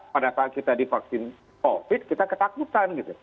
pada saat kita divaksin covid kita ketakutan gitu